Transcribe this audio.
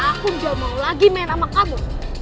aku gak mau lagi main sama kamu